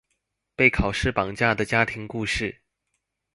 被考試綁架的家庭故事